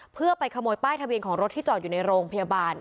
เพื่อไปขโมยป้ายทะเบียนของรถที่จอดอยู่ในโรงพยาบาล